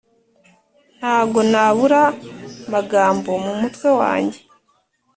Ntago nabura magambo mu mutwe wanjye